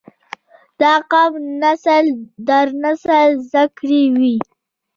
دا قام نسل در نسل زده کړي وي